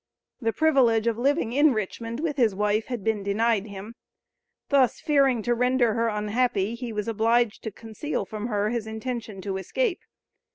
The privilege of living in Richmond with his wife "had been denied him." Thus, fearing to render her unhappy, he was obliged to conceal from her his intention to escape.